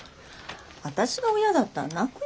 私が親だったら泣くよ。